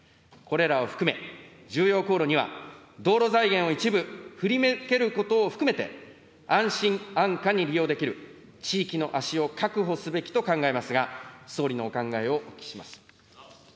これらを含め、重要航路には道路財源を一部振り向けることを含めて、安心安価に利用できる地域の足を確保すべきと考えますが、総理のお考えをお聞きします。